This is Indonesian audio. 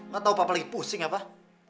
gak tau papa lagi pusing ya pak